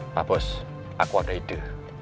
pak bos aku ada ide